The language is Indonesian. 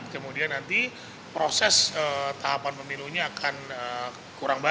kemudian nanti proses tahapan pemilunya akan kurang baik